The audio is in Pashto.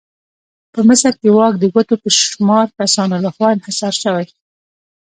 په مصر کې واک د ګوتو په شمار کسانو لخوا انحصار شوی.